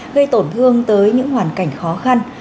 gây tổn thương tới những hoàn cảnh khó khăn